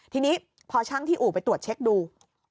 ทีนี้พอช่างที่อู่ไปตรวจเช็คดู